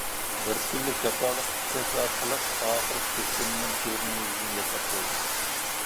بىر كۈنلۈك جاپالىق ئىشلەش ئارقىلىق ئاخىرى سىستېمىنىڭ كۆرۈنمە يۈزىنى ياساپ بولدۇم.